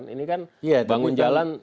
ini kan bangun jalan